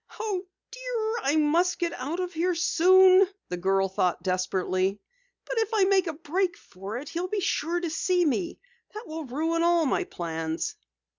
"Oh, dear, I must get out of here soon!" the girl thought desperately. "But if I make a break for it he'll be sure to see me. That will ruin all my plans."